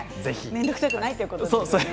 面倒くさくないということですよね。